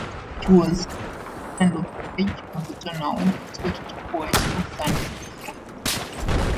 He was a close friend of George MacDonald, Scottish poet, author, and preacher.